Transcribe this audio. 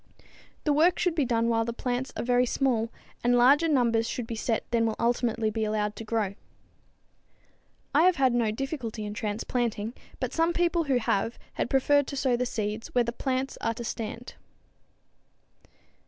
The work should be done while the plants are very small, and larger numbers should be set than will ultimately be allowed to grow. I have had no difficulty in transplanting, but some people who have had prefer to sow the seed where the plants are to stand.